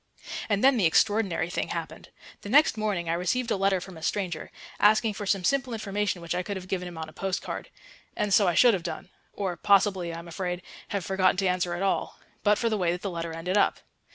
And then the extraordinary thing happened. The next morning I received a letter from a stranger, asking for some simple information which I could have given him on a post card. And so I should have done or possibly, I am afraid, have forgotten to answer at all but for the way that the letter ended up.